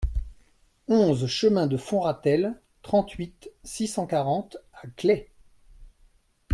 onze chemin de Fond Ratel, trente-huit, six cent quarante à Claix